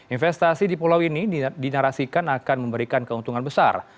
investasi di pulau ini dinarasikan akan memberikan keuntungan besar